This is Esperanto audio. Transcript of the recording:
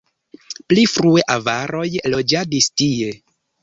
Pli frue avaroj loĝadis tie.